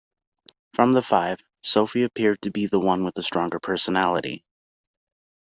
From the five, Sophie appeared to be the one with the stronger personality.